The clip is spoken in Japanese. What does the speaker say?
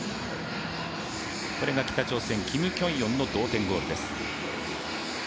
これが北朝鮮、キム・キョンヨンの同点ゴールです。